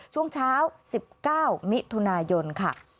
ช่วงเช้า๑๙มิถุนายนค่ะ